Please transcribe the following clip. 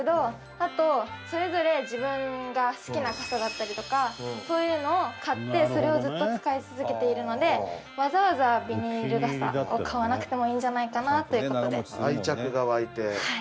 あとそれぞれ自分が好きな傘だったりとかそういうのを買ってそれをずっと使い続けているのでわざわざビニール傘を買わなくてもいいんじゃないかなという事で。